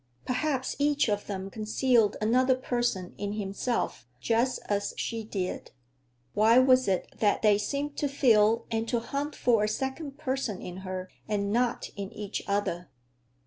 Perhaps each of them concealed another person in himself, just as she did. Why was it that they seemed to feel and to hunt for a second person in her and not in each other?